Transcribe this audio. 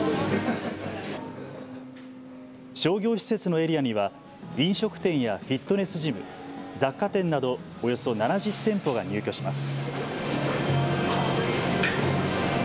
商業施設のエリアには飲食店やフィットネスジム、雑貨店などおよそ７０店舗が入居します。